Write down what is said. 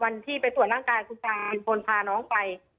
วันที่ไปตรวจร่างกายคุณตามีคนพาน้องไป